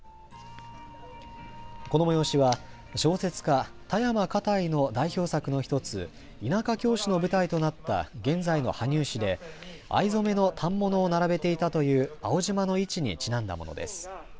この催しは小説家、田山花袋の代表作の１つ、田舎教師の舞台となった現在の羽生市で藍染めの反物を並べていたという青縞の市にちなんだものです。